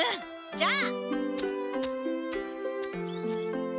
じゃあ。